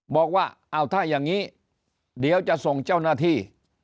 บอกว่าเอาถ้าอย่างนี้เดี๋ยวจะส่งเจ้าหน้าที่